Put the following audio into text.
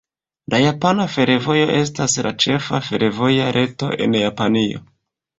La Japana Fervojo estas la ĉefa fervoja reto en Japanio.